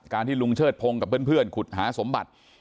ที่ลุงเชิดพงศ์กับเพื่อนขุดหาสมบัติ